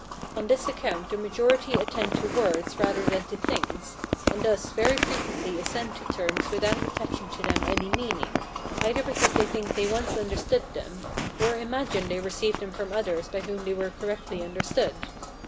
On this account the majority attend to words rather than to things; and thus very frequently assent to terms without attaching to them any meaning, either because they think they once understood them, or imagine they received them from others by whom they were correctly understood.